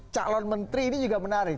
calon menteri ini juga menarik